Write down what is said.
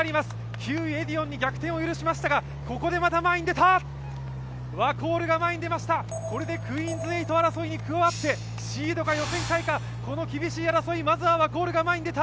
９位、エディオンに逆転を許しましたがワコールが前に出ました、これでクイーンズ８争いに加わってシードか予選会か、この厳しい争いまずはワコールが前に出た。